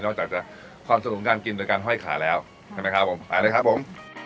จากจะความสนุกการกินโดยการห้อยขาแล้วใช่ไหมครับผมไปเลยครับผม